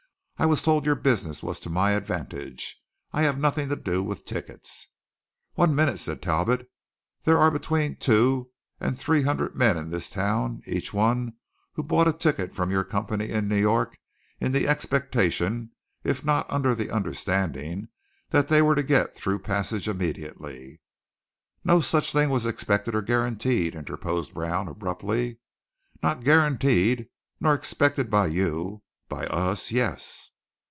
"I was told your business was to my advantage. I have nothing to do with tickets." "One minute," said Talbot. "There are between two and three hundred men in this town each one of whom bought a ticket from your company in New York in the expectation, if not under the understanding, that they were to get through passage immediately." "No such thing was expected or guaranteed," interposed Brown abruptly. "Not guaranteed, nor expected by you by us, yes."